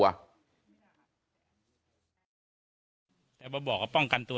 บอกแล้วบอกแล้วบอกแล้วบอกแล้ว